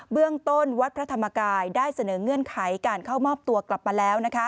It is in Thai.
เบื้องต้นวัดพระธรรมกายได้เสนอเงื่อนไขการเข้ามอบตัวกลับมาแล้ว